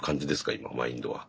今マインドは。